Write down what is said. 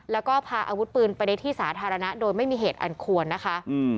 แล้วก็พาอาวุธปืนไปในที่สาธารณะโดยไม่มีเหตุอันควรนะคะ